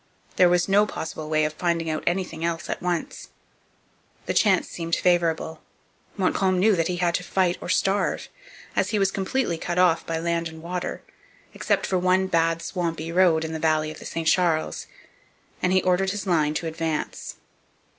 There was no possible way of finding out anything else at once. The chance seemed favourable. Montcalm knew he had to fight or starve, as he was completely cut off by land and water, except for one bad, swampy road in the valley of the St Charles; and he ordered his line to advance.